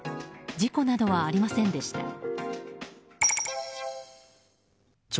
事故などはありませんでした。